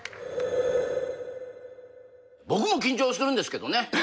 僕も緊張するんですけどね。